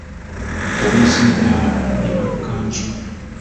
Omuzindaalo eba Kkanzu.